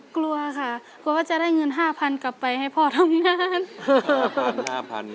กลัวค่ะกลัวว่าจะได้เงิน๕๐๐๐กลับไปให้พ่อทำงาน